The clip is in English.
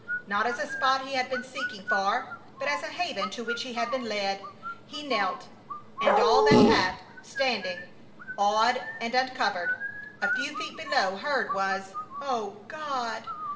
Not as a spot he had been seeking for, but as a haven to which he had been led. He knelt, and all that Pat, standing, awed and uncovered, a few feet below, heard, was: "O God!